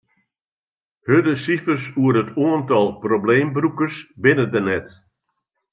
Hurde sifers oer it oantal probleembrûkers binne der net.